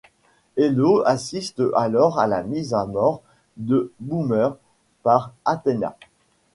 Helo assiste alors à la mise à mort de Boomer par Athéna.